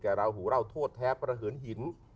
กับเราหูร่าวโทษแท้พระเหินหิน